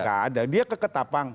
nggak ada dia ke ketapang